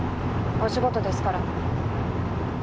お仕事ですから。